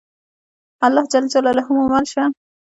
الله ج مو مل شه.